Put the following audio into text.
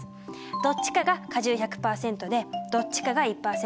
どっちかが果汁１００％でどっちかが１％。